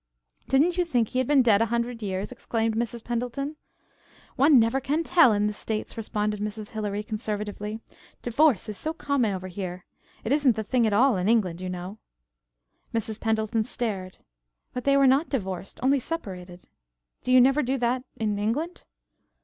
"Didn't you think he had been dead a hundred years?" exclaimed Mrs. Pendleton. "One never can tell in the states," responded Mrs. Hilary conservatively. "Divorce is so common over here. It isn't the thing at all in England, you know." Mrs. Pendleton stared. "But they were not divorced, only separated. Do you never do that in England?"